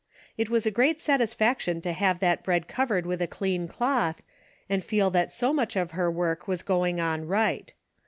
It was a great satisfaction to have that bread covered with a clean cloth and feel that so much of her work was going on right.